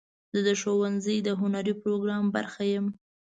زه د ښوونځي د هنري پروګرام برخه یم.